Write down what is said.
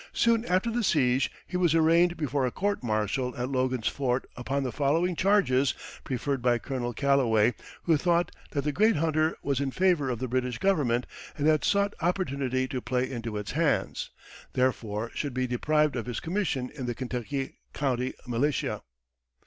Soon after the siege he was arraigned before a court martial at Logan's Fort upon the following charges preferred by Colonel Calloway, who thought that the great hunter was in favor of the British Government and had sought opportunity to play into its hands, therefore should be deprived of his commission in the Kentucky County militia: "1.